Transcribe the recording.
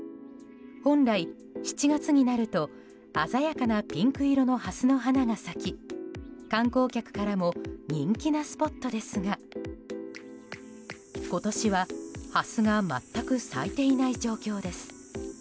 本来７月になると、鮮やかなピンク色のハスの花が咲き観光客からも人気なスポットですが今年は、ハスが全く咲いていない状況です。